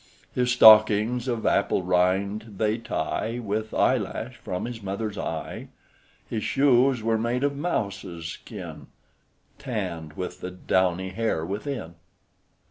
His stockings, of apple rind, they tie With eyelash from his mother's eye: His shoes were made of mouses' skin, Tann'd with the downy hair within."